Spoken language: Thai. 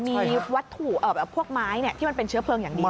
มีวัตถุพวกไม้ที่มันเป็นเชื้อเพลิงอย่างดี